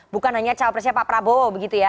bukan hanya cawapresnya pak prabowo begitu ya